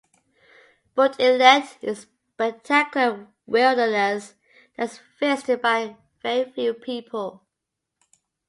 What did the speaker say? Bute Inlet is a spectacular wilderness that is visited by very few people.